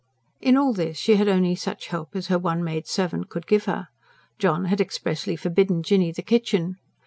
In all this she had only such help as her one maidservant could give her John had expressly forbidden Jinny the kitchen.